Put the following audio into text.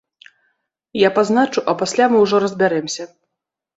Я пазначу, а пасля мы ўжо разбярэмся.